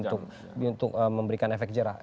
untuk memberikan efek jerah